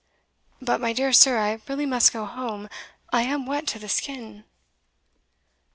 "But, my dear sir, I really must go home I am wet to the skin."